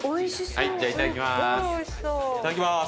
いただきます！